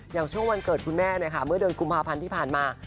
อย่างช่วงวันเกิดคุณแม่เมื่อเดือนกุมภาพันธ์ที่ผ่านมา